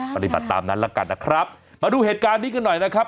ปฏิบัติตามนั้นละกันนะครับมาดูเหตุการณ์นี้กันหน่อยนะครับ